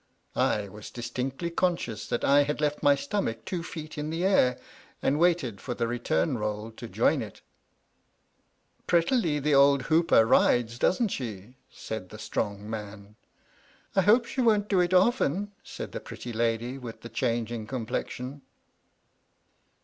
I was distinctly conscious that I had left my stomach two feet in the air, and waited for the return roll to join it. "Prettily the old hooper rides, doesn't she?" said the strong man. "I hope she won't do it often," said the pretty lady with the changing complexion.